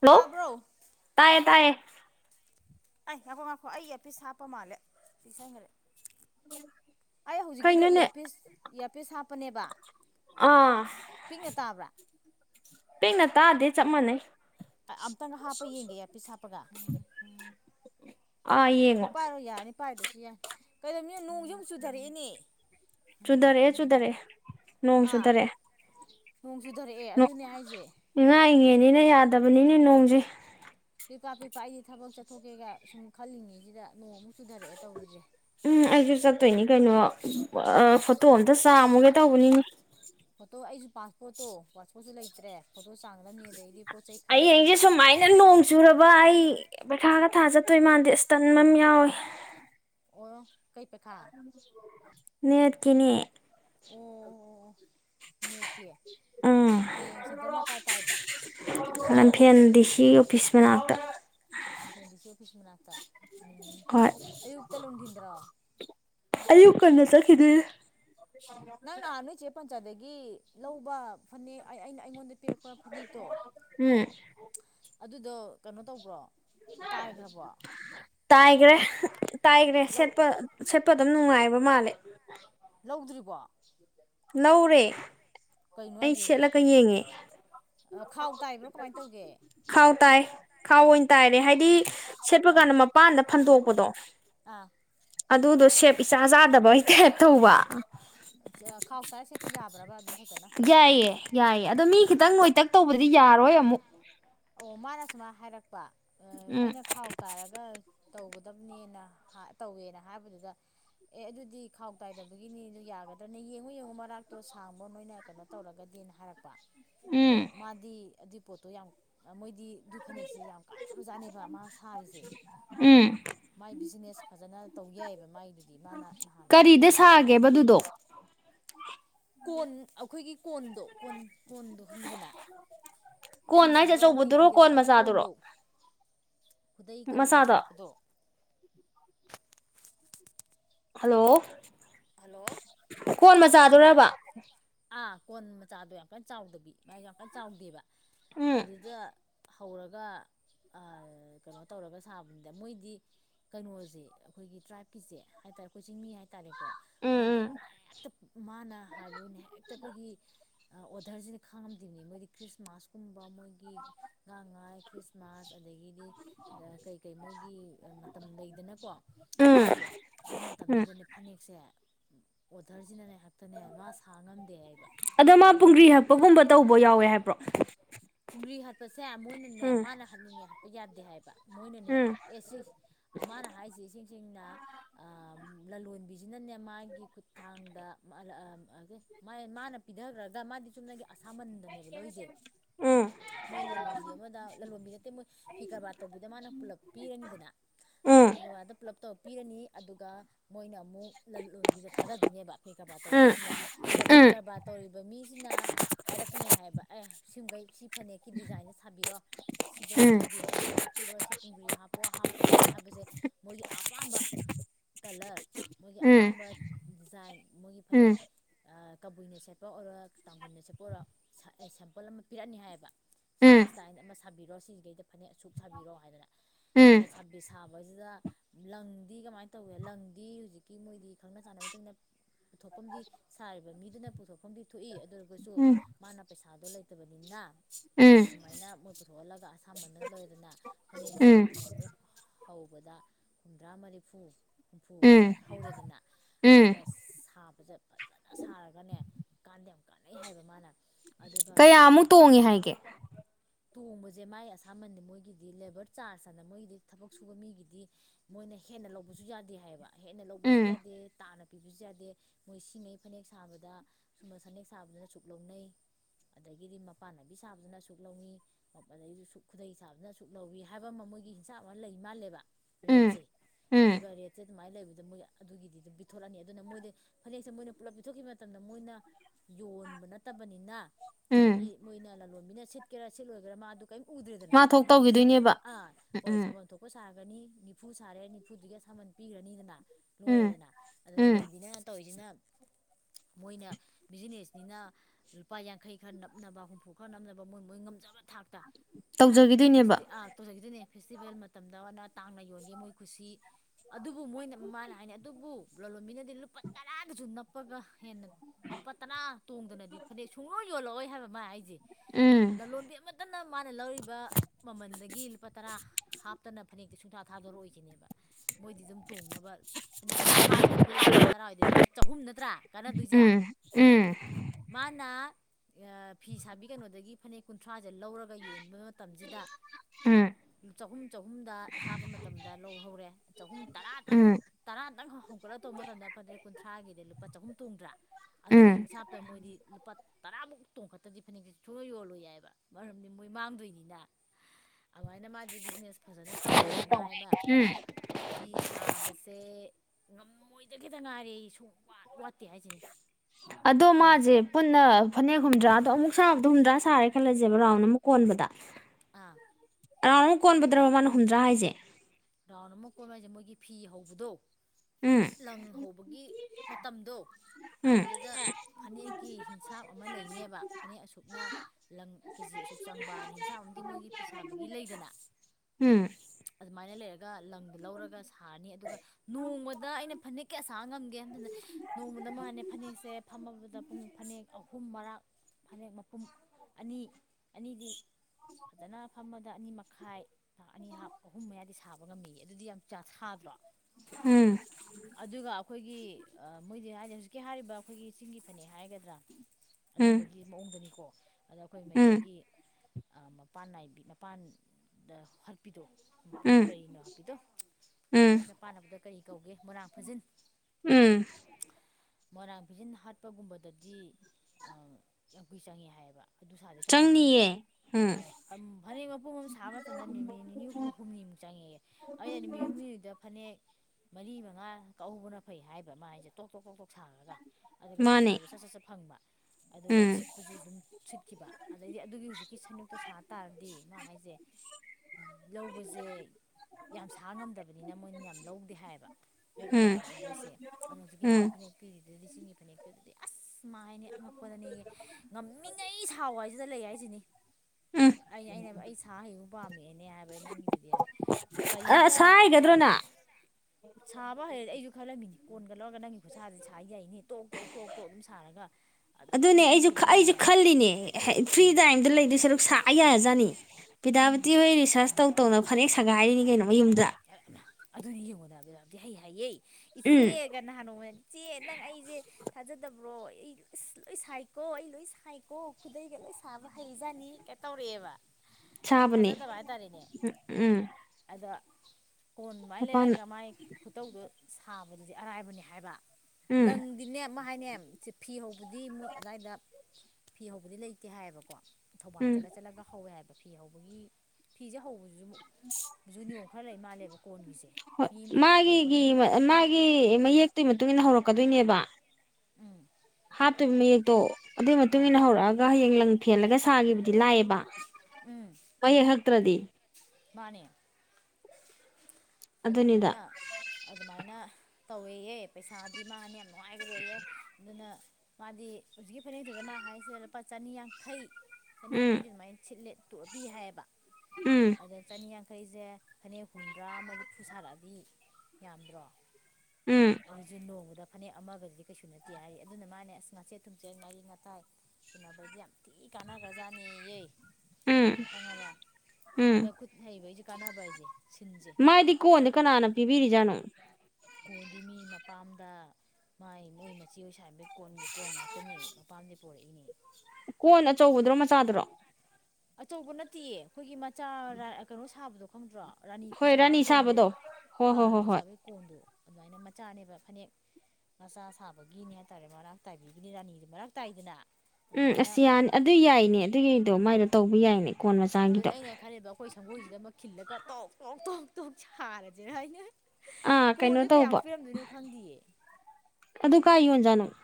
Hello ꯇꯥꯕ꯭ꯔꯣ ꯇꯥꯏꯌꯦ ꯇꯥꯏꯌꯦ ꯑꯩ ꯉꯥꯛꯈꯣ ꯉꯥꯛꯈꯣ ꯑꯩꯒꯤ ꯑꯄꯤꯤꯁ ꯍꯥꯞꯄ ꯃꯥꯜꯂꯦ ꯄꯤꯁꯟꯒꯠꯂꯦ ꯑꯩ ꯍꯧꯖꯤꯛꯀꯤꯗꯣ ꯀꯩꯅꯣꯅꯦ ꯏꯌꯥꯔ ꯏꯌꯥꯔꯄꯤꯤꯁ ꯍꯥꯞꯄꯅꯦꯕ ꯑꯥ ꯄꯤꯛꯅ ꯇꯥꯕ꯭ꯔꯥ ꯄꯦꯡꯅ ꯇꯥꯗꯦ ꯆꯞ ꯃꯥꯟꯅꯩ ꯑꯇꯪ ꯍꯥꯞꯄ ꯌꯦꯡꯒꯦ ꯑꯄꯤꯤꯁ ꯍꯥꯞꯄꯒ ꯑꯥ ꯑꯣ ꯌꯦꯡꯉꯣ ꯄꯥꯏꯔꯣ ꯌꯥꯔꯅꯤ ꯄꯥꯏꯗꯁꯨ ꯌꯥꯅꯤ ꯀꯩꯗꯧ ꯃꯤꯅ ꯅꯣꯡꯁꯨ ꯆꯨꯊꯔꯛꯏꯅꯦ ꯆꯨꯗꯔꯛꯑꯦ ꯆꯨꯗꯔꯛꯑꯦ ꯅꯣꯡ ꯑꯥ ꯆꯨꯊꯔꯛꯑꯦ ꯅꯣꯡ ꯆꯨꯊꯔꯛꯑꯦ ꯑꯗꯨꯅꯦ ꯍꯥꯏꯁꯦ ꯉꯉꯥꯡ ꯏꯉꯦꯅꯤꯅ ꯌꯥꯗꯕꯅꯤꯅꯦ ꯅꯣꯡꯁꯦ ꯄꯦꯄꯥ ꯄꯦꯄꯥ ꯑꯩꯗꯤ ꯊꯕꯛ ꯆꯠꯊꯣꯛꯀꯦꯒ ꯁꯨꯝ ꯈꯜꯂꯤꯉꯩꯁꯤꯗ ꯅꯣꯡꯃ ꯎꯝ ꯑꯩꯁꯨ ꯆꯠꯣꯏꯅꯤ ꯀꯩꯅꯣ ꯐꯣꯇꯣ ꯑꯝꯇ ꯆꯥꯝꯃꯨꯒꯦ ꯇꯧꯕꯅꯤꯅ ꯐꯣꯇꯣ ꯑꯩꯁꯨ ꯄꯥꯁꯄꯣꯠꯇꯣ ꯄꯥꯁꯄꯣꯔꯠꯁꯨ ꯂꯩꯇ꯭ꯔꯦ ꯐꯣꯇꯣ ꯆꯥꯡꯗꯅꯤ ꯑꯗꯩꯗꯤ ꯄꯣꯠ ꯆꯩ ꯈꯔꯁꯨ ꯑꯩꯡꯁꯦ ꯁꯨꯃꯥꯏꯅ ꯅꯣꯡ ꯆꯨꯔꯕ ꯑꯩ ꯄꯩꯈꯥ ꯈ ꯊꯥ ꯆꯠꯇꯣꯏ ꯃꯥꯥꯟꯗꯦ ꯏꯁꯇꯟ ꯑꯃ ꯌꯥꯎꯏꯤ ꯑꯣ ꯀꯩ ꯄꯩꯈꯥ ꯑꯣ ꯅꯠꯀꯤꯅꯦ ꯑꯣ ꯑꯣ ꯃꯦꯠꯇꯦ ꯎꯝ ꯍꯌꯦꯡ ꯁꯦꯟꯗꯅꯀꯥꯏ ꯇꯥꯏꯕ ꯕꯤꯁꯋꯅꯥꯊ ꯦꯟꯗꯤꯁꯤ ꯑꯣꯐꯤꯁ ꯃꯅꯥꯥꯛꯇ ꯍꯣꯏ ꯑꯌꯨꯛ ꯀꯟꯅ ꯆꯠꯈꯤꯗꯣꯏ ꯅꯪꯅ ꯅꯍꯥꯟ ꯅꯣꯏ ꯆꯦ ꯄꯟꯆꯥꯗꯒꯤ ꯂꯧꯕ ꯐꯅꯦꯛ ꯑꯩꯑꯩꯅ꯫ ꯑꯩꯉꯣꯟꯗ ꯄꯤꯔꯛꯄ ꯐꯅꯦꯛꯇꯣ ꯎꯝ ꯑꯗꯨꯗꯣ ꯀꯩꯅꯣ ꯇꯧꯕ꯭ꯔꯣ꯫ ꯇꯥꯏꯈ꯭ꯔꯕꯣ꯫ ꯈ꯭ꯔꯦ ꯇꯥꯏꯈ꯭ꯔꯦ ꯂꯧ ꯁꯦꯠꯄ ꯁꯦꯠꯄ ꯑꯗꯨꯝ ꯅꯨꯡꯉꯥꯏꯕ ꯃꯥꯂꯦ꯫ ꯂꯧꯗ꯭ꯔꯤꯕꯣ꯫ ꯂꯧꯔꯦ ꯀꯩꯅꯣ ꯑꯩ ꯍꯥꯏꯁꯤꯕꯣ ꯁꯦꯠꯂꯒ ꯌꯦꯡꯉꯦ꯫ ꯈꯥꯎ ꯇꯥꯏꯕ꯭ꯔꯣ ꯀꯃꯥꯏꯅ ꯇꯧꯒꯦ꯫ ꯈꯥꯎꯑꯣꯏ ꯇꯥꯏꯔꯦ ꯍꯥꯏꯗꯤ ꯁꯦꯠꯄ ꯑꯥ ꯀꯥꯟꯗ ꯃꯄꯥꯟꯗ ꯐꯟꯗꯣꯛꯄꯗꯣ꯫ ꯑꯥ ꯑꯗꯨꯗꯣ ꯁꯦꯞ ꯏꯆꯥ ꯆꯥꯗꯕꯩ ꯇꯥꯏꯞ ꯇꯧꯕ꯫ ꯈꯥꯎ ꯇꯥꯏ ꯁꯦꯠꯄ ꯌꯥꯕ꯭ꯔꯕ ꯑꯗꯨꯝ ꯐꯖꯅ꯫ ꯌꯥꯏꯌꯦ ꯌꯥꯏꯌꯦ ꯑꯗꯣ ꯃꯤ ꯈꯤꯇꯪ ꯅꯣꯏꯇꯛ ꯇꯧꯕꯗꯤ ꯌꯥꯔꯣꯏ ꯑꯃꯨꯛ꯫ ꯑꯣ ꯃꯥꯅ ꯁꯨꯃꯥꯏꯅ ꯍꯥꯏꯔꯛꯄ ꯎꯝ ꯑꯩꯅ ꯈꯥꯎ ꯇꯥꯔꯒ꯫ ꯇꯧꯒꯗꯕꯅꯦꯅ ꯇꯧꯋꯦꯅ ꯍꯥꯏꯕꯗꯨꯗ꯫ ꯑꯦ ꯑꯗꯨꯗꯤ ꯈꯥꯎ ꯇꯥꯏꯗꯕꯒꯤꯅꯤ ꯑꯗꯨ ꯌꯥꯒꯗ꯭ꯔꯅꯦ ꯌꯦꯡꯉꯨ ꯌꯦꯡꯉꯨ ꯃꯔꯥꯛꯇꯣ ꯁꯥꯡꯕ ꯅꯣꯏꯅ ꯀꯩꯅꯣ ꯇꯧꯔꯒꯗꯤꯅ ꯍꯥꯏꯔꯛꯄ꯫ ꯑꯗꯣ ꯎꯝ ꯃꯥꯗꯤ ꯑꯗꯨꯏ ꯄꯣꯠꯇꯣ ꯌꯥꯝ꯫ ꯃꯣꯏꯗꯤ ꯑꯗꯨꯏ ꯐꯅꯦꯛꯁꯦ ꯌꯥꯝ ꯀꯥꯟꯅꯕꯖꯥꯠꯅꯦꯕ ꯃꯥ ꯁꯥꯔꯤꯁꯦ꯫ ꯎꯝ ꯃꯥꯏ ꯕꯤꯖꯤꯅꯦꯁ ꯐꯖꯅ ꯇꯧ ꯌꯥꯏꯑꯦꯕ ꯃꯥꯏꯗꯨꯗꯤ ꯃꯥꯅ ꯅꯍꯥꯟ ꯑꯩꯉꯣꯟꯗ ꯀꯔꯤꯗ ꯍꯥꯏꯐꯦꯠ ꯍꯥꯏꯕꯋꯅꯤ꯫ ꯁꯥꯒꯦꯕ ꯑꯗꯨꯗꯣ ꯀꯣꯟ ꯑꯩꯈꯣꯏꯒꯤ꯫ ꯀꯣꯟꯗꯣ ꯀꯣꯟ ꯀꯣꯟꯗꯣ ꯈꯪꯈꯤꯗꯅ ꯀꯣꯟ ꯐꯤꯁꯥ꯫ ꯍꯥꯏꯁꯦ ꯑꯆꯧꯕꯗꯨꯔꯣ ꯀꯣꯟ ꯃꯆꯥꯗꯨꯔꯣ꯫ ꯈꯨꯗꯩ ꯀꯔꯤ ꯀꯔꯥ ꯃꯆꯥꯗꯣ ꯁꯥꯕꯗꯣ꯫ ꯍꯜꯂꯣ ꯍꯜꯂꯣ ꯀꯣꯟ ꯇꯥꯕ꯭ꯔꯥ ꯃꯆꯥꯗꯣꯔꯕ꯫ ꯑꯥ ꯀꯣꯟ ꯃꯆꯥꯗꯣ ꯌꯥꯝ ꯀꯟꯅ ꯆꯥꯎꯗꯕꯤ ꯃꯥ ꯌꯥꯝ ꯀꯟꯅ ꯆꯥꯎꯗꯦꯕ ꯎꯝ ꯑꯗꯨꯗ꯫ ꯍꯧꯔꯒ꯫ ꯀꯩꯅꯣ ꯇꯧꯔꯒ ꯁꯥꯕꯅꯤꯗ ꯃꯣꯏꯗꯤ ꯀꯩꯅꯣꯁꯦ ꯑꯩꯈꯣꯏꯒꯤ ꯇ꯭ꯔꯥꯏꯞꯀꯤꯁꯦ ꯍꯥꯏ꯫ ꯑꯩꯈꯣꯏ ꯆꯤꯡ ꯃꯤ ꯍꯥꯏꯇꯥꯔꯦꯀꯣ꯫ ꯎꯝ ꯃꯣꯏꯁꯦ ꯎꯝ ꯍꯦꯛꯇ ꯃꯥꯅ ꯍꯥꯏꯕꯕꯨꯅ ꯍꯦꯛꯇ ꯑꯩꯈꯣꯏꯒꯤ꯫ ꯑꯣꯗꯔꯁꯤꯅ ꯈꯪꯉꯝꯗꯦꯃꯤ ꯃꯣꯏꯗꯤ ꯈ꯭ꯔꯤꯁꯃꯥꯁꯀꯨꯝꯕ꯫ ꯃꯣꯏꯒꯤ ꯒꯥꯡ ꯉꯥꯏ ꯈ꯭ꯔꯤꯁꯃꯥꯁ ꯑꯗꯒꯤꯗꯤ ꯀꯩ ꯀꯩ ꯃꯣꯏꯒꯤ꯫ ꯃꯇꯝ ꯂꯩꯗꯅꯀꯣ ꯎꯝ ꯆꯤꯡꯒꯤ ꯑꯗꯨ ꯎꯝ ꯃꯇꯝꯁꯤꯗꯅꯦ ꯐꯅꯦꯛꯁꯦ꯫ ꯑꯣꯗꯔꯖꯤꯅꯅꯦ꯫ ꯑꯗꯣ ꯃꯥ ꯃꯥꯗꯤ ꯄꯨꯡꯒ꯭ꯔꯤ ꯍꯛꯄꯒꯨꯝꯕ ꯇꯧꯕ ꯌꯥꯎꯋꯦ ꯍꯥꯏꯕ꯭ꯔꯣ꯫ ꯄꯨꯡꯒ꯭ꯔꯤ ꯍꯥꯠꯄꯁꯦ ꯃꯣꯏꯅꯅꯦ ꯎꯝ ꯃꯥꯅ ꯍꯥꯠꯅꯤꯡꯉꯦ ꯍꯥꯠꯄ ꯌꯥꯗꯦ ꯍꯥꯏꯕ꯫ ꯃꯣꯏꯅꯅꯦ ꯎꯝ ꯑꯦ ꯁꯤ ꯃꯥꯅ ꯍꯥꯏꯁꯦ ꯁꯤ꯫ ꯁꯤꯡꯅ ꯂꯂꯣꯟꯕꯤꯁꯤꯅꯅꯦ ꯃꯥꯒꯤ ꯈꯨꯠꯊꯥꯡꯗ [unintelligible] ꯃꯥꯅ ꯃꯥꯅ ꯄꯤꯊꯈ꯭ꯔꯒ ꯃꯥꯗꯤ ꯆꯨꯝꯅꯒꯤ ꯑꯁꯥꯃꯟꯗꯅꯦꯕ ꯂꯧꯔꯤꯁꯦ꯫ ꯎꯝ ꯃꯣꯏ ꯂꯂꯣꯟꯕꯤ ꯑꯃꯗ ꯂꯂꯣꯟꯕꯤ ꯅꯠꯇꯦ ꯃꯣꯏ ꯐꯤ ꯀꯔꯕꯥꯔ ꯇꯧꯕꯤꯗ ꯃꯥꯅ ꯄꯨꯂꯞ ꯄꯤꯔꯅꯤꯗꯅ꯫ ꯎꯝ [unintelligible] ꯒꯋꯥꯗ ꯄꯨꯂꯞ ꯇꯧꯔ ꯄꯤꯔꯅꯤ ꯑꯗꯨꯒ ꯃꯣꯏꯅ꯫ ꯑꯃꯨꯛ ꯂꯂꯣꯟꯕꯤꯗ ꯊꯥꯗꯗꯣꯏꯅꯦꯕ ꯐꯤ ꯀꯔꯕꯥꯔ ꯇꯧꯔꯤ ꯃꯤꯁꯤꯅ ꯑꯗ ꯐꯤ ꯎꯝ ꯀꯔꯕꯥꯔ ꯇꯧꯔꯤꯕ ꯃꯤꯁꯤꯅ꯫ ꯍꯥꯏꯔꯛꯀꯅꯤ ꯍꯥꯏꯕ ꯑꯦ꯫ ꯁꯤꯡꯈꯩ ꯁꯤ ꯐꯅꯦꯛꯀꯤ ꯗꯤꯖꯥꯏꯟꯗ ꯁꯥꯕꯤꯔꯣ ꯁꯤꯈꯩ ꯎꯝ ꯁꯥꯕꯤꯔꯣ ꯁꯤ ꯍꯥꯞꯄꯤꯔꯣ ꯁꯤ ꯄꯨꯡꯒꯔꯤ ꯍꯥꯞ꯫ ꯍꯥꯞꯄꯣ ꯍꯥꯞꯀꯅꯨ ꯍꯥꯏꯕꯁꯦ ꯃꯣꯏꯒꯤ ꯑꯄꯥꯝꯕ ꯀꯂꯔ꯫ ꯃꯣꯏꯒꯤ ꯎꯝ ꯑꯄꯥꯝꯕ ꯗꯤꯖꯥꯏꯟ ꯃꯣꯏꯒꯤ ꯎꯝ ꯐꯅꯦꯛ ꯎꯝ ꯑꯥ꯫ ꯀꯕꯨꯏꯅ ꯁꯦꯠꯄ ꯑꯣꯏꯔꯣ ꯇꯥꯡꯈꯨꯜꯅ ꯁꯦꯠꯄ ꯑꯣꯏꯔꯣ ꯁꯦꯝꯄꯜ ꯑꯃ ꯄꯤꯔꯛꯅꯤ ꯍꯥꯏꯌꯦꯕ꯫ ꯎꯝ ꯎꯝ ꯁꯤꯒꯤ ꯎꯝ ꯏꯁꯇꯥꯏꯜ ꯑꯃ ꯁꯥꯕꯤꯔꯣ ꯁꯤꯈꯩꯗ ꯐꯅꯦꯛ ꯑꯁꯨꯛ ꯁꯥꯕꯤꯔꯣ ꯍꯥꯏꯗꯅ ꯑꯗꯁꯕꯤ ꯁꯥ꯫ ꯁꯤꯗꯩ ꯁꯤꯗ ꯂꯪꯗꯤ ꯀꯃꯥꯏꯅ ꯇꯧꯋꯦ ꯂꯪꯗꯤ ꯍꯧꯖꯤꯛꯀꯤ ꯃꯣꯏꯗꯤ ꯈꯪꯅ ꯆꯥꯟꯅꯕ ꯃꯇꯨꯡ ꯏꯟꯅ꯫ ꯄꯨꯊꯣꯛꯐꯝꯗꯤ ꯁꯥꯔꯤꯕ ꯃꯤꯗꯨꯅ ꯄꯨꯊꯣꯛꯐꯝꯗꯤ ꯊꯣꯛꯏ ꯑꯗꯨ ꯑꯣꯏꯔꯒꯁꯨ ꯃꯥꯅ ꯄꯩꯁꯥꯗꯣ ꯂꯩ꯫ ꯇꯕꯅꯤꯅ ꯑꯗꯨꯃꯥꯏꯅ ꯃꯣꯏ ꯄꯨꯊꯣꯛꯍꯜꯂꯒ ꯑꯁꯥꯃꯟꯗ ꯂꯧꯔꯦꯗꯅ ꯎꯝ ꯐꯅꯦꯛꯁꯦ ꯎꯝ ꯑꯃꯨꯛꯃꯨꯛ꯫ ꯍꯧꯕꯗ ꯍꯨꯝꯗ꯭ꯔꯥ ꯃꯔꯤꯐꯨ ꯍꯨꯝꯐꯨ ꯎꯝ ꯁꯨꯃꯥꯏꯅ ꯍꯧꯔꯦꯗꯅ ꯎꯝ ꯑꯗꯨꯒ꯫ ꯁꯥꯕꯁꯦ ꯐꯖꯅ ꯁꯥꯔꯒꯅꯦ ꯀꯥꯟꯗꯦꯝ ꯌꯥꯝ ꯀꯥꯟꯅꯩ ꯍꯥꯏꯕ ꯃꯥꯅ ꯑꯗꯨꯒ ꯇꯣꯡꯉꯤ ꯍꯥꯏꯒꯦ ꯇꯣꯡꯕꯁꯦ ꯃꯥꯥꯏ ꯑꯁꯥꯝꯕꯟꯗꯤ ꯃꯣꯏꯒꯤꯗꯤ ꯂꯦꯕꯔ ꯆꯥꯔꯖ ꯍꯅ ꯃꯣꯏꯒꯤꯗꯤ ꯊꯕꯛ ꯁꯨꯕ ꯃꯤꯒꯤꯗꯤ ꯃꯣꯏꯅ ꯍꯦꯟꯅ ꯂꯧꯕꯁꯨ ꯌꯥꯗꯦ ꯍꯥꯏꯕ ꯍꯦꯟꯅ ꯂꯧꯕꯁꯨ ꯎꯝ ꯌꯥꯗꯦ ꯇꯥꯅ ꯄꯤꯕꯁꯨ ꯌꯥꯗꯦ ꯃꯣꯏ ꯁꯤꯡꯉꯩ ꯐꯅꯦꯛ ꯁꯥꯕ ꯑꯗꯨꯗ ꯁꯨꯝꯕ ꯁꯅꯦꯛ ꯁꯥꯕꯗꯨꯅ ꯑꯁꯨꯛ ꯂꯧꯅꯩ ꯑꯗꯒꯤꯗꯤ ꯃꯄꯥꯟꯅꯕꯤ ꯁꯥꯕꯕꯁꯤꯅ ꯑꯁꯨꯛ ꯂꯧꯏꯤ ꯃꯄꯗꯩꯗꯨ ꯁꯨꯛ ꯈꯨꯗꯩ ꯆꯕꯅ ꯑꯨꯛ ꯂꯧꯋꯤ ꯍꯥꯏꯕ ꯑꯃ ꯃꯣꯏꯒꯤ ꯍꯤꯡꯁꯥꯡ ꯑꯃ ꯂꯩ ꯃꯥꯜꯂꯦꯕ ꯎꯝ ꯔꯦꯠꯁꯦ ꯎꯝ ꯑꯗꯨꯒ ꯔꯦꯠꯁꯦ ꯑꯗꯨꯃꯥꯏꯅ ꯂꯩꯕꯗ ꯃꯣꯏ ꯑꯗꯨꯒꯤꯗꯤ ꯑꯗꯨꯝ ꯄꯤꯊꯣꯔꯂꯛꯅꯤ ꯑꯗꯨ ꯑꯗꯨꯅ ꯃꯣꯏꯗ ꯐꯅꯦꯛꯁꯦ ꯃꯣꯏꯅ ꯄꯨꯂꯞ ꯄꯤꯊꯣꯛꯈꯤꯕ ꯃꯇꯝꯗ ꯃꯣꯏꯅ ꯌꯣꯟꯕ ꯅꯠꯇꯕꯅꯤꯅ ꯉꯥꯏ ꯎꯝ ꯗꯒꯤ ꯃꯣꯏꯅ ꯂꯂꯣꯟꯕꯤꯅ ꯁꯤꯠꯀꯦꯔ ꯁꯤꯠ ꯂꯣꯏꯒꯦꯔꯥ ꯃꯥ ꯑꯗꯨ ꯀꯔꯤꯝ ꯎꯗ꯭ꯔꯦꯗꯅ ꯃꯥ ꯊꯣꯛ ꯃꯥꯏꯗꯤ ꯁꯥ ꯇꯧꯈꯤꯗꯣꯏꯅꯦꯕ ꯑꯥ ꯍꯣꯏ ꯎꯝ ꯁꯥꯒꯝ ꯊꯣꯛꯄ ꯁꯥ ꯒꯅꯤ ꯅꯤꯐꯨ ꯁꯥꯔꯦ ꯅꯤꯐꯨꯗꯨꯒꯤ ꯁꯥꯃꯟ ꯄꯤꯈ꯭ꯔꯅꯤꯗꯅ ꯎꯝ ꯂꯣꯏꯔꯦꯗꯅ ꯑꯗꯨꯅ ꯎꯝ ꯂꯣꯟꯕꯤꯅ ꯇꯧꯔꯤꯁꯤꯅ ꯃꯣꯏꯅ ꯕꯤꯖꯤꯅꯦꯁꯅꯤꯅ ꯂꯨꯄꯥ ꯌꯥꯡꯈꯩ ꯈꯔ ꯅꯞꯅꯕ ꯍꯨꯝꯐꯨ ꯈꯔ ꯅꯞꯅꯕ ꯃꯣꯏ ꯃꯣꯏ ꯐꯖꯕ ꯊꯥꯛꯇ ꯇꯧꯖꯈꯤꯗꯣꯏꯅꯦꯕ ꯐꯦꯁꯇꯤ ꯇꯧꯖꯈꯤꯗꯨꯣꯏꯅꯦ ꯐꯦꯁꯇꯤꯚꯦꯜ ꯃꯇꯝꯗꯅ ꯇꯥꯡꯅ ꯌꯣꯟꯒꯦ ꯃꯣꯏ ꯈꯨꯁꯤ ꯑꯗꯨꯕꯨ ꯃꯣꯏꯅ ꯃꯥꯅ ꯍꯥꯏꯅ ꯑꯗꯨꯕꯨ ꯂꯂꯣꯟꯕꯤꯅꯗꯤ ꯂꯨꯄꯥ ꯇꯔꯥꯗꯁꯨ ꯅꯞꯄꯒ ꯍꯦꯟꯅ ꯂꯨꯄꯥ ꯇꯅꯥꯥ ꯇꯣꯡꯗꯅꯗꯤ ꯐꯅꯦꯛ ꯁꯨꯡꯂꯣ ꯌꯣꯜꯂꯛꯑꯣꯏ ꯍꯥꯏꯕ ꯃꯥ ꯑꯩꯁꯦ ꯎꯝ ꯂꯂꯣꯟꯕꯤ ꯑꯃꯠꯇꯅ ꯃꯥꯅ ꯂꯧꯔꯤꯕ ꯃꯃꯜꯗꯒꯤ ꯂꯨꯄꯥ ꯇꯔꯥ ꯍꯥꯞꯇꯅ ꯐꯅꯛꯇꯤ ꯁꯨꯡꯇꯥ ꯊꯥꯗꯣꯔꯛꯏꯈꯤꯅꯦꯕ ꯃꯣꯏꯗꯤ ꯑꯗꯨꯝ ꯇꯣꯡꯅꯕ ꯐꯅꯦꯛ ꯀꯨꯟꯊ꯭ꯔꯥ ꯂꯧꯔꯒꯗꯤ ꯂꯨꯄꯥ ꯇꯔꯥ ꯑꯣꯏꯗꯣꯏ ꯂꯨꯄꯥ ꯆꯍꯨꯝ ꯅꯠꯇ꯭ꯔꯥ ꯀꯥꯟꯅꯗꯣꯏꯁꯦ ꯎꯝ ꯎꯝ ꯃꯥꯅ ꯐꯤ ꯁꯥꯕꯤ ꯀꯩꯅꯣꯗꯒꯤ ꯐꯅꯦꯛ ꯀꯨꯟꯊ꯭ꯔꯥ ꯁ ꯂꯧꯔꯒ ꯌꯣꯟꯕ ꯃꯇꯝꯁꯤꯗ ꯎꯝ ꯆꯍꯨꯝ ꯆꯍꯨꯝꯗ ꯊꯥꯕ ꯃꯇꯝꯗ ꯂꯧ ꯍꯧꯔꯦ ꯆꯍꯨꯝ ꯇꯔꯥꯗꯪ ꯇꯔꯥꯗꯪ ꯍꯧ ꯍꯣꯡꯒꯠꯂ ꯇꯧꯕ ꯃꯇꯝꯗ ꯐꯇ꯭ꯔꯦꯠ ꯀꯨꯟꯊ꯭ꯔꯥꯒꯤꯗꯤ ꯂꯨꯄꯥ ꯆꯍꯨꯝ ꯇꯣꯡꯗ꯭ꯔꯥ ꯑꯗꯨꯒꯤ ꯎꯝ ꯍꯤꯡꯁꯥꯞꯇ ꯃꯣꯏꯗꯤ ꯂꯨꯄꯥ ꯇꯔꯥꯃꯨꯛ ꯇꯣꯡꯈꯠꯇ꯭ꯔꯗꯤ ꯐꯅꯦꯛꯁ ꯁꯨꯡ ꯌꯣꯜꯂꯣꯏ ꯌꯥꯕ ꯃꯔꯝꯗꯤ ꯃꯣꯏ ꯃꯥꯡꯗꯣꯏꯅꯤꯅ ꯑꯗꯨꯃꯥꯏꯅ ꯃꯥꯗꯤ ꯕꯤꯖꯤꯅꯦꯁ ꯐꯖꯅ ꯇꯧꯋꯦ ꯃꯥꯏ ꯑꯃ ꯎꯝ ꯐꯤ ꯁꯥꯕꯁꯦ ꯉꯝꯃꯉꯣꯏꯗꯒꯤꯦꯇ ꯅꯥꯔꯦ ꯑꯩ ꯁꯨꯡ ꯋꯥꯠ ꯋꯥꯠꯇꯦ ꯍꯥꯏꯁꯤꯅꯤ ꯑꯗꯣ ꯐꯅꯦꯛꯁꯦ ꯃꯥꯁꯦ ꯄꯨꯟꯅ ꯐꯅꯦꯛ ꯍꯨꯝꯗ꯭ꯔꯥ ꯑꯗꯣ ꯑꯃꯨꯛ ꯁꯥꯕꯗꯣ ꯍꯨꯝꯗ꯭ꯔꯥ ꯁꯥꯔꯦ ꯈꯜꯂꯁꯦꯕ ꯔꯥꯎꯟ ꯑꯃ ꯀꯣꯟꯕꯗ ꯑꯥ ꯔꯔꯥꯎꯟ ꯑꯃꯨꯛ ꯀꯣꯟꯕꯗ꯭ꯔꯕ ꯃꯥꯅ ꯍꯨꯝꯗ꯭ꯔꯥ ꯍꯥꯏꯁꯦ ꯔꯥꯎꯟ ꯑꯃ ꯀꯣꯏ ꯍꯥꯏ ꯍꯥꯏꯁꯦ ꯃꯣꯏꯒꯤ ꯐꯤ ꯍꯧꯕꯗꯣ ꯎꯝ ꯂꯪ ꯍꯧꯕꯒꯤ ꯃꯇꯝꯗꯣ ꯎꯝ ꯑꯗꯨꯗꯨꯗ ꯐꯅꯦꯛ ꯀꯤ ꯍꯤꯡꯁꯥꯞ ꯑꯃ ꯂꯩꯅꯦꯕ ꯐꯅꯦꯛ ꯑꯁꯨꯛꯅ ꯂꯪ ꯀꯦꯖꯤ ꯑꯁꯨꯛ ꯆꯪꯕ ꯍꯥꯏꯅ ꯍꯤꯡꯁꯥꯞ ꯑꯃꯗꯤꯝ ꯃꯣꯏꯒꯤ ꯐ ꯁꯥꯕꯤꯒꯤ ꯂꯩꯗꯅ ꯎꯝ ꯑꯗꯨꯃꯥꯏꯅ ꯂꯩꯔꯒ ꯪꯗ ꯂꯧꯔꯒ ꯁꯥꯔꯅꯤ ꯑꯗꯨꯒꯣꯡꯃꯗ ꯑꯩꯅ ꯐꯅꯦꯛ ꯀꯌꯥ ꯁꯥꯕ ꯉꯝꯒꯦ ꯍꯥꯏ ꯗ ꯃꯥꯦ ꯐꯅꯦꯛꯁꯦ ꯐꯝꯃꯕꯗ ꯄꯨꯡ ꯐꯅꯦꯛ ꯑꯍꯨꯝ ꯃꯔꯥꯛ ꯐꯅꯦꯛ ꯃꯄꯨꯝ ꯑꯅꯤ ꯑꯅꯤꯗꯤ ꯐꯖꯅ ꯐꯝꯃꯗ ꯑꯅꯤ ꯃꯈꯥꯏ ꯑꯅꯤ ꯍꯥꯞ ꯑꯍꯨꯝ ꯃꯌꯥꯗꯤ ꯁꯥꯕ ꯐꯕ ꯉꯝꯃꯤꯌꯦ ꯑꯗꯨꯗꯤ ꯌꯥꯝ ꯆꯥꯊꯥꯗ꯭ꯔꯣ ꯎꯝ ꯑꯗꯨꯒ ꯑꯩꯈꯣꯏꯒꯤ ꯃꯣꯏꯗꯤ ꯍꯥꯏꯗꯤ ꯍꯧꯖꯤꯛꯀꯤ ꯍꯥꯏꯔꯤꯕ ꯑꯩꯈꯣꯏꯒꯤ ꯆꯤꯡꯒꯤ ꯐꯅꯦꯛ ꯍꯥꯏꯒꯗ꯭ꯔꯥ ꯎꯝ ꯑꯗꯨꯝꯕꯒꯤ ꯃꯑꯣꯡꯗꯅꯤꯀꯣ ꯑꯗ ꯑꯩꯈꯣꯏ ꯃꯩꯇꯩꯒꯤ ꯃꯄꯥꯟ ꯅꯥꯏꯕꯤ ꯃꯄꯥꯟꯗ ꯍꯠꯄꯤꯗꯣꯨꯡ ꯎꯝ ꯎꯝ ꯀꯔꯤꯅꯣ ꯍꯥꯞꯄꯤꯗꯣ ꯎꯝ ꯐꯅꯦꯛꯛꯇ ꯄꯥꯟꯅꯕꯗ ꯀꯔꯤ ꯀꯧꯒꯦ ꯃꯣꯏꯨꯔꯥꯡ ꯐꯖꯤꯟ ꯎꯝ ꯃꯣꯏꯔꯥꯡ ꯐꯤꯖꯤꯟ ꯍꯥꯠꯄꯒꯨꯝꯕꯗꯗꯤ ꯌꯥꯝꯨꯏ ꯆꯪꯉꯦ ꯍꯥꯏꯌꯦꯕ ꯑꯗꯨ ꯁꯥꯗꯩ ꯆꯛꯄꯨꯗꯤ ꯆꯪꯅꯤꯌꯦ ꯎꯝ ꯑ ꯐꯅꯦꯛ ꯃꯄꯨꯝ ꯑꯃ ꯁꯥꯕ ꯃꯇꯝꯗ ꯅꯨꯃꯤꯠ ꯅꯤꯅꯤ ꯍ ꯍꯨꯝꯅꯤꯃꯨ ꯆꯪꯉꯛꯑꯦ ꯑꯩꯅ ꯅꯨꯃꯤꯠꯨꯝ ꯃꯤꯗꯨꯗ ꯐꯅꯦꯛ ꯃꯔꯤ ꯃꯉꯥ ꯀꯛꯧꯕꯅ ꯐꯩ ꯍꯥꯏꯕ ꯃꯥꯥꯏꯁꯦ ꯇꯣꯛ ꯇꯣꯛ ꯇꯣꯛ ꯇꯣꯛ ꯁꯥꯥꯡꯉꯒ ꯑꯗꯨꯒ ꯃꯥꯅꯦ ꯄꯩꯁꯥꯁꯨ ꯁꯠ ꯁꯠ ꯁꯠ ꯐꯪꯕ ꯑꯗꯨꯒ ꯎꯝ ꯁꯤꯠꯄꯁꯨ ꯑꯗꯨꯝ ꯁꯤꯠꯈꯤꯕ ꯑꯗꯩꯗꯤ ꯑꯗꯨꯒꯤ ꯍꯧꯖꯤꯛꯀꯤ ꯁꯟꯌꯨꯛꯇ ꯁꯥꯇꯥꯥꯔꯗꯤ ꯃꯥ ꯍꯥꯏꯁꯦ ꯂꯧꯕꯁꯦ ꯌꯥꯝ ꯁꯥ ꯉꯝꯗꯕꯅꯤꯅ ꯃꯣꯏꯅ ꯌꯥꯝ ꯂꯧꯗꯦ ꯍꯥꯏꯌꯦꯕ ꯂꯩꯔꯛꯇꯦ ꯎꯝ ꯍꯥꯏꯕ ꯑꯣꯔꯗꯔꯁꯦ ꯑꯅꯣ ꯍꯧꯖꯤꯛꯀꯤ ꯍꯥꯎ ꯎꯝ ꯐꯅꯦꯛ ꯄꯤꯔꯤꯗꯨꯗꯤ ꯂꯤ ꯆꯤꯡꯒꯤ ꯐꯅꯦꯛ ꯄꯤꯕꯗꯤ ꯑꯁ ꯈꯣꯏꯃꯥ ꯍꯥꯏꯅꯦ ꯑꯉꯛꯄꯗꯅꯦ ꯉꯝꯃꯤꯉꯩ ꯁꯥꯎ ꯍꯥꯏꯁꯤꯗ ꯂꯩ ꯍꯥꯏꯁꯤꯅꯤ ꯎꯝ ꯑꯩꯅ ꯑꯩꯅ ꯑꯩ ꯁꯥ ꯍꯩꯕ ꯄꯥꯝꯃꯛ ꯑꯦꯅꯦ ꯍꯥꯏꯕ ꯅꯪꯒꯤꯗꯨꯗꯤꯕ ꯀꯔꯤꯝꯇ ꯑꯁ ꯍꯥꯏꯒꯗ꯭ꯔꯣ ꯅꯪ ꯁꯥꯕ ꯍꯩꯔꯗꯤ ꯑꯩꯁꯨ ꯈꯜꯂꯝꯃꯤꯅꯤ ꯀꯣꯟ ꯂꯧꯔꯒ ꯅꯪꯒꯤ ꯈꯨꯠꯁꯥꯁꯤꯗꯤ ꯁꯥ ꯌꯩꯅꯤ ꯇꯣꯛ ꯇꯣꯛ ꯇꯣꯛ ꯇꯣꯛ ꯑꯗꯨꯝ ꯁꯥꯔꯒ ꯑꯗꯨꯝ ꯄꯤꯈꯤꯕ ꯂꯩꯩꯅꯦ [unintelligible] ꯅꯦ ꯐ꯭ꯔꯤ ꯇꯥꯏꯝꯗ ꯂꯩꯗꯨꯏ ꯁꯔꯨꯛ ꯁꯥ ꯌꯥꯖꯥꯅꯤ ꯎꯝ ꯄꯤꯗꯥꯕꯇꯤ ꯍꯣꯏ ꯔꯤꯁꯥꯔꯁ ꯇꯧ ꯇꯧꯅ ꯐꯅꯦꯛ ꯁꯪꯒꯥꯏꯔꯤꯅꯤ ꯀꯩꯅꯣ ꯃꯌꯨꯝꯗ ꯑ ꯑꯩꯃꯥ ꯑꯗꯨꯅꯤ ꯌꯦꯡꯉꯨꯗꯕ ꯄꯤꯗꯥꯕꯇꯤ ꯍꯩ ꯍꯥꯏꯌꯦ ꯎꯝ ꯏꯆꯦꯒ ꯅꯍꯥꯟꯅꯣꯡꯃ ꯏꯆꯦ ꯅꯪ ꯑꯩꯁꯦ ꯊꯥꯖꯗꯕ꯭ꯔꯣ ꯑꯩ ꯏꯁ ꯂꯣꯏ ꯁꯥꯏꯀꯣ ꯑꯩ ꯂꯣꯏ ꯁꯥꯏꯀꯣ ꯈꯨꯗꯩꯒ ꯂꯣꯏ ꯁꯥꯕ ꯍꯩꯖꯥꯅꯤ ꯀ ꯇꯧꯔꯛꯑꯦꯕ ꯌꯥꯝ ꯁꯥꯕꯅꯦ ꯊꯥꯖꯗꯕ ꯍꯥꯏꯇꯥꯔꯦꯅꯦ ꯎꯝ ꯑꯗꯣ ꯀꯣꯟ ꯃꯥꯏ ꯃꯄꯥꯟꯅ ꯂꯩꯔꯒ ꯃꯥꯥꯏ ꯈꯨꯇꯧꯗꯣ ꯁꯥꯕꯗꯨꯗꯤ ꯑꯔꯥꯏꯕꯅꯤ ꯍꯥꯏꯕ ꯎꯝ ꯂꯪꯗꯤꯅꯦ ꯃꯥ ꯍꯥꯏꯅꯦ ꯐꯤ ꯍꯧꯕꯗꯤ ꯃꯣꯏ ꯑꯗ꯭ꯋꯥꯏꯗ ꯐꯤ ꯍꯧꯕꯗꯤ ꯂꯩꯇꯦ ꯍꯥꯏꯌꯦꯕꯀꯣ ꯊꯧꯕꯥꯜ ꯎꯝ ꯆꯠꯂ ꯆꯠꯂꯒ ꯍꯧꯋꯦ ꯍꯥꯏꯕ ꯐꯤ ꯍꯧꯕꯒꯤ ꯐꯤꯁꯦ ꯍꯧꯕ [unintelligible] ꯍꯣꯏ ꯍꯧꯕ ꯃꯥꯒꯤ ꯍꯩꯕꯗꯤ ꯃꯥꯒꯤ ꯃꯌꯦꯛꯇꯨꯒꯤ ꯃꯇꯨꯡ ꯏꯟ ꯍꯧꯔꯛꯀꯗꯣꯏꯅꯦꯕ ꯍꯥꯞꯇꯣꯏꯕ ꯃꯌꯦꯛꯇꯣ ꯑꯗꯨꯏ ꯑꯥ ꯃꯇꯨꯡꯏꯟꯅ ꯍꯧꯔꯛꯑꯒ ꯍꯌꯦꯡ ꯂꯪ ꯐꯦꯜꯂꯒ ꯁꯥꯥꯒꯤꯕꯗꯤ ꯂꯥꯏꯑꯦꯕ ꯎꯝ ꯃꯌꯦꯛ ꯍꯛꯇ꯭ꯔꯗꯤ ꯃꯥꯅꯦ ꯑꯗꯨꯅꯤꯗ ꯑꯗꯨꯏꯗꯨꯅ ꯑꯗꯨꯃꯥꯏꯅ ꯇꯧꯋꯦꯌꯦ ꯄꯩꯁꯥꯗꯤ ꯃꯥ ꯍꯥꯏꯅꯦ ꯌꯥꯝ ꯅꯨꯡꯉꯥꯏ ꯂꯨꯒ꯭ꯔꯦꯌꯦ ꯑꯗꯨꯅ ꯃꯥꯗꯤ ꯍꯧꯖꯤꯛꯀꯤ ꯐꯅꯦꯛ ꯑꯗꯨꯗ ꯃꯥ ꯍꯥꯏꯁꯦ ꯂꯨꯄꯥ ꯆꯅꯤ ꯌꯥꯡꯈꯩ ꯎꯝ ꯆꯅꯤꯌꯥꯡꯈꯩꯗꯤ ꯑꯗꯨꯃꯥꯏꯅ ꯁꯤꯠꯂꯦ ꯇꯣꯛ ꯑꯄꯤ ꯍꯥꯏꯌꯦꯕ ꯎꯝ ꯑꯗ ꯆꯅꯤꯌꯥꯡ ꯈꯩꯖꯦ ꯐꯅꯦꯛ ꯍꯨꯝꯗ꯭ꯔꯥ ꯃꯔꯤꯐꯨ ꯁꯥꯔꯛꯑꯗꯤ ꯌꯥꯝꯗ꯭ꯔꯣ ꯎꯝ ꯑꯗꯨꯖꯨ ꯅꯣꯡꯃꯗ ꯐꯅꯦꯛ ꯑꯃꯒꯗꯨꯗꯤ ꯀꯩꯁꯨ ꯅꯠꯇꯦ ꯍꯥꯏꯌꯦ ꯑꯗꯨꯅ ꯃꯥꯅꯦ ꯑꯁ ꯉꯥ ꯆꯦꯠ ꯊꯨꯝꯆꯦꯠ ꯉꯥꯔꯤ ꯉꯥꯇꯥꯏ ꯎꯅꯕꯩꯗꯤ ꯌꯥꯝ ꯊꯤ ꯀꯥꯟꯅ ꯒ꯭ꯔꯥꯖꯥꯠ ꯅꯦꯌꯦ ꯎꯝ ꯈꯪꯉꯕ ꯑꯗ ꯈꯨꯠ ꯍꯩꯕ ꯁꯨ ꯀꯥꯟꯅꯕ ꯍꯥꯏꯁꯦ ꯁꯤꯟꯁꯦ ꯃꯏꯗꯤ ꯀꯣꯟꯗꯣ ꯀꯅꯥꯅ ꯄꯤꯕꯤꯔꯤ ꯖꯥꯠꯅꯣ ꯀꯣꯟꯗꯤ ꯃꯤ ꯃꯄꯥꯝꯗ ꯃꯥꯏ ꯃꯣꯏ ꯃꯆꯦ ꯑꯣꯏ ꯁꯥꯏꯝꯕꯩ ꯀꯣꯟꯒꯤ ꯀꯣꯟ ꯉꯥꯛꯇꯅꯦ ꯃꯄꯥꯝꯗꯩ ꯄꯣꯔꯛꯏꯅꯦ ꯀꯣꯟ ꯑꯆꯧꯕꯗꯨꯔꯣ ꯃꯆꯥꯗꯨꯔꯣ ꯑꯆꯧꯕ ꯅꯠꯇꯤꯌꯦ ꯑꯩꯈꯣꯏꯒꯤ ꯃꯆꯥ ꯀꯩꯅꯣ ꯁꯥꯕꯗꯣ ꯈꯪꯗ꯭ꯔꯣ ꯔꯥꯅꯤ ꯐꯤ ꯍꯣꯏ ꯁꯥꯕ ꯔꯥꯅꯤ ꯀꯣꯟꯗꯣ ꯁꯥꯕꯗꯣ ꯍꯣꯏ ꯑꯥ ꯍꯣꯏ ꯍꯣꯏ ꯔꯥꯅꯤ ꯍꯣꯏ ꯁꯥꯕꯒꯤ ꯀꯣꯟꯗꯣ ꯑꯗꯨꯃꯥꯏꯅ ꯃꯆꯥꯅꯦꯕ ꯐꯅꯦꯛ ꯃꯆꯥ ꯁꯥꯕꯒꯤꯅꯤ ꯍꯥꯏꯇꯥꯔꯦ ꯃꯔꯥꯛ ꯇꯥꯏꯕꯤꯒꯤꯅꯤ ꯔꯥꯅꯤꯗꯤ ꯃꯔꯛ ꯇꯥꯏꯗꯅ ꯎꯝ ꯑꯗꯨꯃꯥꯏꯅ ꯑꯁ ꯌꯥꯅꯤ ꯑꯗꯨ ꯌꯥꯏꯅꯦ ꯑꯗꯨꯒꯤꯗꯣ ꯃꯥꯏꯗꯣ ꯇꯧꯕ ꯌꯥꯏꯅꯦ ꯀꯣꯟ ꯃꯆꯥꯒꯤꯗꯣ ꯁꯒꯣꯏꯁꯤꯗ ꯑꯃꯛ ꯈꯤꯜꯂꯒ ꯇꯣꯛ ꯇꯣꯛ ꯇꯣꯛ ꯇꯣꯛ ꯁꯥꯔꯁꯔꯦ ꯍꯥꯏꯅ ꯑꯥ ꯀꯩꯅꯣ ꯇꯧꯕ ꯈꯪꯗꯤꯌꯦ ꯑꯗꯨ ꯀꯥꯏ ꯌꯣꯟꯖꯥꯠꯅꯣ [inaudible]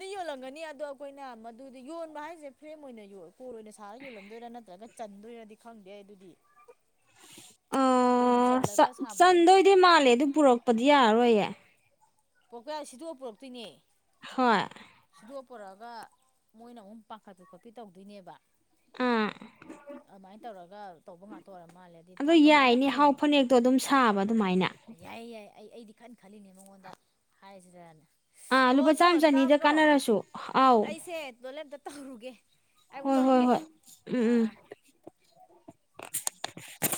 [unintelligible] ꯌꯣꯜꯂꯝꯒꯅꯤ ꯑꯗꯣ ꯑꯈꯣꯏꯅ ꯃꯗꯨꯗꯤ ꯌꯣꯟꯕ ꯍꯥꯏꯁꯦ ꯐ꯭ꯔꯦꯝ ꯑꯣꯏꯅ ꯌꯣꯜ ꯀꯣꯟ ꯑꯣꯏꯅ ꯁꯥꯔꯒ ꯌꯣꯜꯂꯝꯗꯣꯏꯔꯥ ꯅꯠꯇ꯭ꯔꯒ ꯆꯟꯗꯣꯏꯔꯗꯤ ꯈꯪꯗꯦ ꯑꯗꯨꯗꯤ ꯀꯣꯟ ꯑ ꯆꯜꯂꯒ ꯁꯥꯕꯗꯣ ꯆꯟꯗꯣꯏꯗꯣꯏꯗꯤ ꯃꯥꯜꯂꯦ ꯑꯗꯨ ꯄꯨꯔꯛꯄꯗꯤ ꯌꯥꯔꯔꯣꯏꯌꯦ ꯄꯣꯔꯛꯄ ꯁꯤꯗꯣꯛ ꯑ ꯄꯨꯣꯔꯛꯇꯣꯏꯅꯦ ꯍꯣꯏ ꯗꯨ ꯑ ꯄꯨꯔꯛꯑꯒ ꯃꯣꯏꯅ ꯑꯃꯨꯛ ꯄꯥꯡꯈꯠꯄꯤ ꯈꯣꯠꯄꯤ ꯇꯧꯗꯣꯏꯅꯦꯕ ꯑꯥ ꯑꯃꯥꯏ ꯇꯧꯔꯒ ꯇꯧꯕ ꯉꯥꯛꯇ ꯑꯣꯏꯔ ꯃꯥꯜꯂꯦ ꯍꯥꯏꯗꯤ ꯑꯗꯣ ꯀꯃꯥꯏꯅ ꯌꯥꯏꯅꯦ ꯍꯥꯎ ꯀꯣꯟꯅꯣ ꯐꯅꯦꯛꯇꯣ ꯑꯗꯨꯝ ꯁꯥꯕ ꯑꯗꯨꯃꯥꯏꯅ ꯌꯥꯏꯌꯦ ꯌꯥꯏ ꯑꯩ ꯑꯩꯗꯤ ꯈꯟ ꯈꯜꯂꯤꯅꯦ ꯃꯉꯣꯟꯗ ꯍꯥꯏꯔꯁꯤꯔꯅ ꯑꯥ ꯂꯨꯄꯥ ꯆꯥꯝ ꯆꯅꯤꯗ ꯀꯥꯟꯅꯔꯁꯨ ꯑꯥꯎ ꯑꯩꯁꯦ ꯇꯣꯏꯂꯦꯠ ꯑꯝꯇ ꯇꯧꯔꯨꯒꯦ ꯑꯩꯃꯨꯛ ꯍꯣꯏ ꯍꯣꯏ ꯇꯧꯔꯛꯀꯦ ꯍꯣꯏ ꯎꯝ ꯑ ꯎꯝ ꯑ [inaudible]